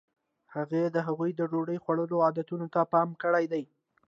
هغې د هغوی د ډوډۍ خوړلو عادتونو ته پام کړی دی.